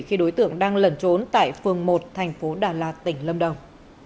khi đối tượng đang lẩn trốn tại phường một thành phố đà lạt tỉnh lâm đồng